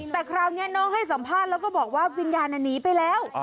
แต่คราวนี้น้องให้สัมภาษณ์แล้วก็บอกว่าวิญญาณหนีไปแล้ว